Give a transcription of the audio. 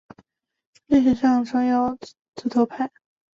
历史上曾有指头派。